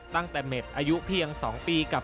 ตั้งแต่เม็ดอายุเพียง๒ปีกับ